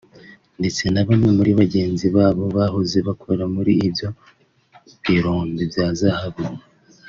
ndetse na bamwe muri bagenzi babo bahoze bakora muri ibyo birombe bya zahabu